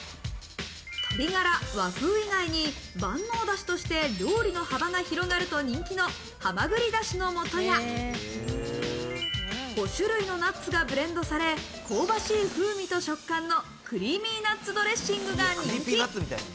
鶏ガラ、和風以外に万能だしとして料理の幅が広がると人気のはまぐりだしの素や、５種類のナッツがブレンドされ、香ばしい風味と食感のクリーミーナッツドレッシングが人気。